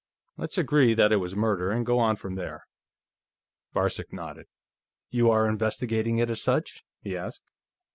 Let's agree that it was murder and go on from there." Varcek nodded. "You are investigating it as such?" he asked.